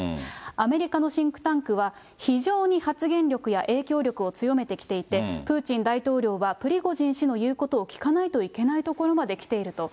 アメリカのシンクタンクは、非常に発言力や影響力を強めてきていて、プーチン大統領はプリゴジン氏の言うことを聞かないといけないところまできていると。